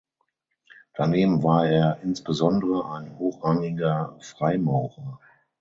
Daneben war er insbesondere ein hochrangiger Freimaurer.